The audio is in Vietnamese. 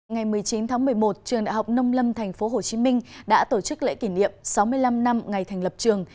ngày một mươi chín tháng một mươi một trường đại học nông lâm tp hcm đã tổ chức lễ kỷ niệm sáu mươi năm năm ngày thành lập trường